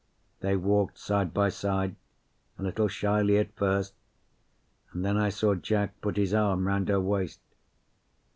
They walked side by side, a little shyly at first, and then I saw Jack put his arm round her waist.